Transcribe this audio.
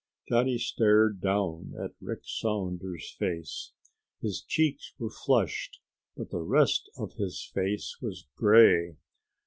Johnny stared down at Rick Saunders' face. His cheeks were flushed but the rest of his face was grey.